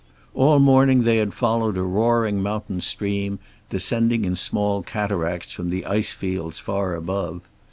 All morning they had followed a roaring mountain stream, descending in small cataracts from the ice fields far above.